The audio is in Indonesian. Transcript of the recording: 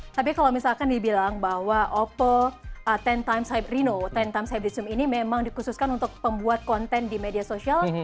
tapi kalau misalkan dibilang bahwa oppo sepuluh reno sepuluh hybri zoom ini memang dikhususkan untuk pembuat konten di media sosial